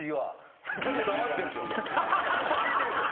ずっと聞いてるんですよ